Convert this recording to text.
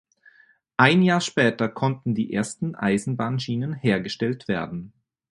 Ein Jahr später konnten die ersten Eisenbahnschienen hergestellt werden.